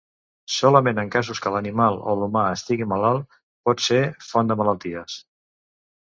Solament en casos que l'animal o l'humà estigui malalt pot ser font de malalties.